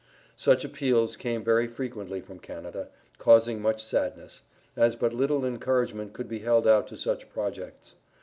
Such appeals came very frequently from Canada, causing much sadness, as but little encouragement could be held out to such projects.